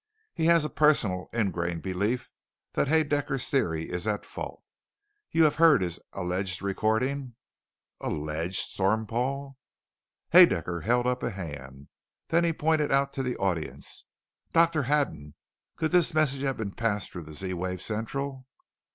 He has a personal, ingrained belief that Haedaecker's Theory is at fault. You have heard his alleged recording " "Alleged!" stormed Paul. Haedaecker held up a hand. Then he pointed out to the audience. "Doctor Haddon, could this message have passed through the Z wave Central?"